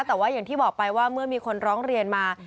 แต่ว่าอย่างที่บอกไปว่าเมื่อมีคนร้องเรียนมา